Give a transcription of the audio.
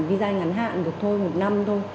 visa ngắn hạn được thôi một năm thôi